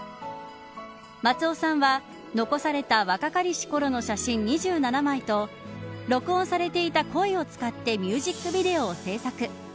松尾さんは、残された若かりしころの写真２７枚と録音されていた声を使ってミュージックビデオを制作。